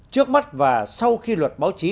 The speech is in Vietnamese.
trước mắt và sau khi luật báo chí